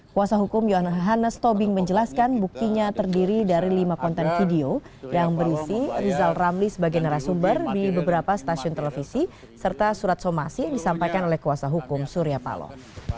kuasa hukum yohannes tobing menjelaskan buktinya terdiri dari lima konten video yang berisi rizal ramli sebagai narasumber di beberapa stasiun televisi serta surat somasi yang disampaikan oleh kuasa hukum surya paloh